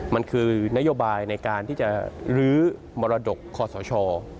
มันคือนโยบายในการที่จะลื้อมรดกคอสช